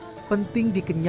pembuatan penting dikenyapkan